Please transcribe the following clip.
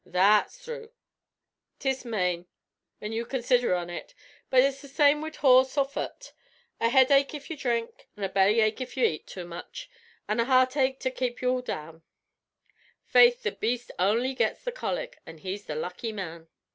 "That's thrue. 'Tis mane, whin you considher on ut; but ut's the same wid horse or fut. A headache if you dhrink, an' a bellyache if you eat too much, an' a heartache to kape all down. Faith, the beast only gets the colic, an' he's the lucky man."